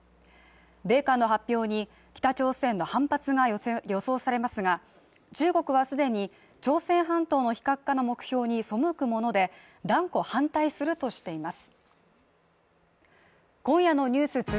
米韓の発表に北朝鮮の反発が予想されますが、中国は既に朝鮮半島の非核化の目標に背くもので、断固反対するとしています。